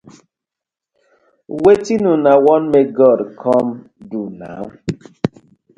Wetin una wan mek God com do naw?